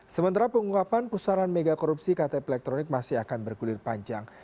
sementara pengungkapan pusaran mega korupsi ktp elektronik masih akan bergulir panjang